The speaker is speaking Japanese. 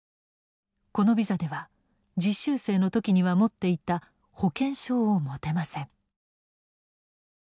このビザでは実習生の時には持っていた保険証を持てません。